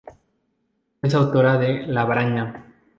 Es autora de "La Braña.